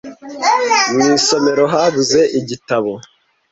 mu isomero habuze ibitabo